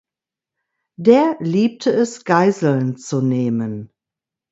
Der liebte es, Geiseln zu nehmen.